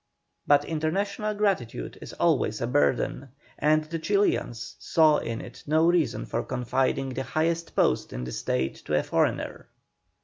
But international gratitude is always a burden, and the Chilians saw in it no reason for confiding the highest post in the State to a foreigner.